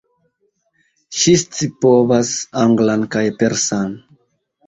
Ŝi scipovas anglan kaj persan.